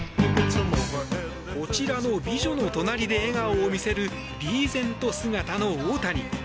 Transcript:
こちらの美女の隣で笑顔を見せるリーゼント姿の大谷。